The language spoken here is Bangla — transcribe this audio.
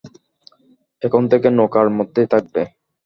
এখন থেকে, নৌকার মধ্যেই থাকবে।